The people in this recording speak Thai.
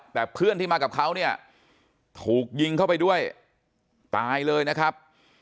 แต่เพื่อนที่มากับเขาเนี่ยถูกยิงเข้าไปด้วยตายเลยนะครับ